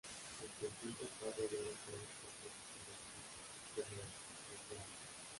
El conjunto está rodeado por un foso que conecta con el Daugava.